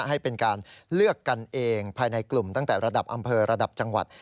ให้เป็นการเลือกกันเองภายในกลุ่มตั้งแต่ระดับอำเภอระดับจังหวัด